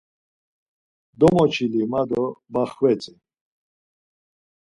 Domoçili, ma do baxvetzi.